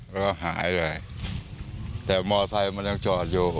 แล้วก็หายเลยแต่มอไซค์มันยังจอดอยู่